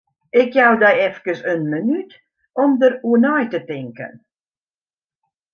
Ik jou dy efkes in minút om dêroer nei te tinken.